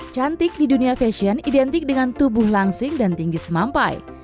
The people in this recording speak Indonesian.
cantik di dunia fashion identik dengan tubuh langsing dan tinggi semampai